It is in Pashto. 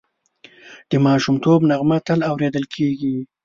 د ماشومتوب نغمه تل اورېدل کېږي